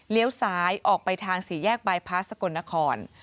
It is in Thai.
ซ้ายออกไปทางสี่แยกบายพาสสกลนคร